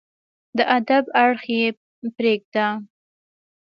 د ادب اړخ يې پرېږده